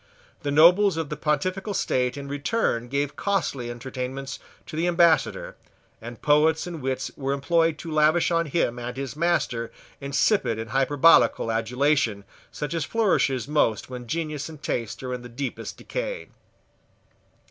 The nobles of the Pontifical state in return gave costly entertainments to the Ambassador; and poets and wits were employed to lavish on him and on his master insipid and hyperbolical adulation such as flourishes most when genius and taste are in the deepest decay.